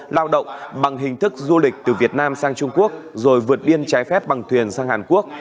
lao động bằng hình thức du lịch từ việt nam sang trung quốc rồi vượt biên trái phép bằng thuyền sang hàn quốc